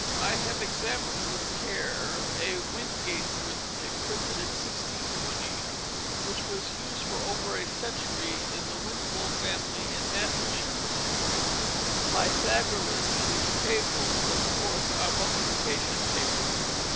I have examined with care a Wingate's Arithmetic printed in 1620, which was used for over a century in the Winslow family in Massachusetts. "Pythagoras his Table," is, of course, our multiplication table.